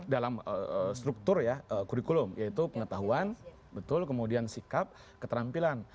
dalam struktur ya kurikulum yaitu pengetahuan betul kemudian sikap keterampilan